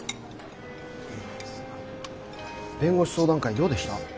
弁護士相談会どうでした？